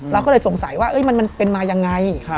เราก็เลยสงสัยว่ามันเป็นมายังไง